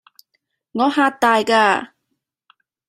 我嚇大㗎